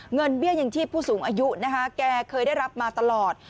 เงินเบี้ยอย่างชีพผู้สูงอายุแกเคยได้รับมาตลอด